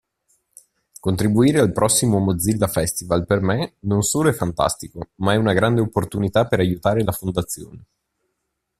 Contribuire al prossimo Mozilla Festival per me non solo è fantastico, ma è una grande opportunità per aiutare la Fondazione.